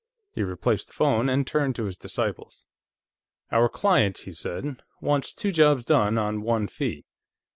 He replaced the phone and turned to his disciples. "Our client," he said, "wants two jobs done on one fee.